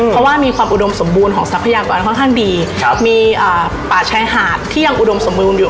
เพราะว่ามีความอุดมสมบูรณ์ของทรัพยากรค่อนข้างดีครับมีป่าชายหาดที่ยังอุดมสมบูรณ์อยู่